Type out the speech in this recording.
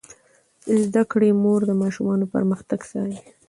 د زده کړې مور د ماشومانو پرمختګ څاري.